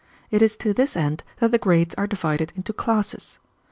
It is to this end that the grades are divided into classes.